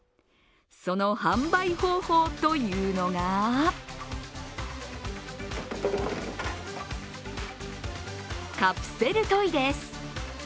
その販売方法というのがカプセルトイです。